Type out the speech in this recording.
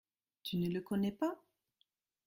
Tu ne le connais pas ?